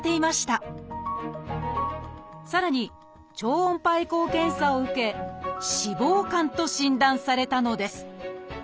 さらに超音波エコー検査を受け「脂肪肝」と診断されたのです。